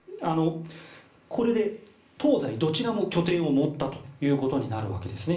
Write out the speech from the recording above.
これで東西どちらも拠点を持ったということになるわけですね。